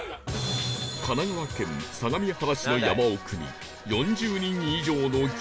神奈川県相模原市の山奥に４０人以上の行列